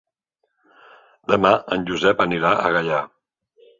Demà en Josep anirà a Gaià.